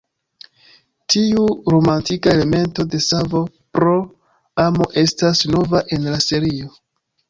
Tiu romantika elemento de savo pro amo estas nova en la serio.